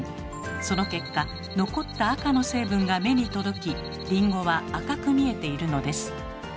その結果残った赤の成分が目に届きりんごは赤く見えているのです。